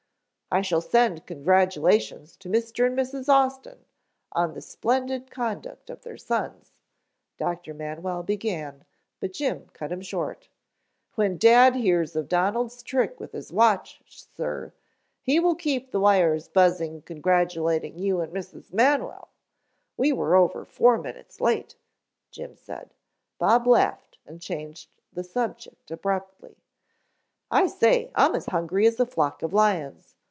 "I shall send congratulations to Mr. and Mrs. Austin on the splendid conduct of their sons " Dr. Manwell began, but Jim cut him short. "When Dad hears of Donald's trick with his watch, sir, he will keep the wires buzzing congratulating you and Mrs. Manwell. We were over four minutes late " Jim said. Bob laughed and changed the subject abruptly. "I say, I'm as hungry as a flock of lions.